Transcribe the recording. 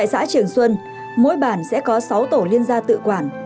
tại xã trường xuân mỗi bản sẽ có sáu tổ liên gia tự quản